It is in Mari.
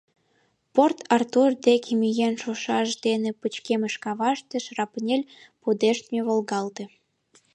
Порт-Артур деке миен шушаш дене пычкемыш каваште шрапнель пудештме волгалте.